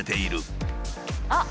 あっ！